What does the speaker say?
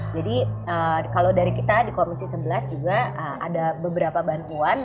jadi kalau dari kita di komisi sebelas juga ada beberapa bantuan